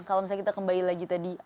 kalau misalnya kita kembali lagi tadi